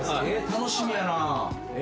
楽しみやな。